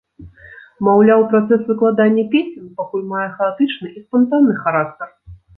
Маўляў, працэс выкладання песень пакуль мае хаатычны і спантанны характар.